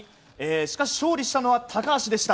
しかし勝利したのは高橋でした。